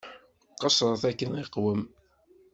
Qeṣṣṛet akken iqwem.